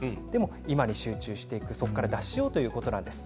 今に集中してそこから脱しようということなんです。